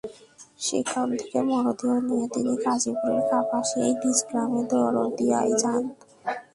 সেখান থেকে মরদেহ নিয়ে তিনি গাজীপুরের কাপাসিয়ায় নিজ গ্রাম দরদড়িয়ায় যান।